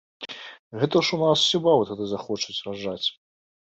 Гэта ж у нас усе бабы тады захочуць раджаць!